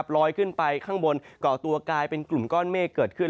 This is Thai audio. ลอยขึ้นไปข้างบนก่อตัวกลายเป็นกลุ่มก้อนเมฆเกิดขึ้น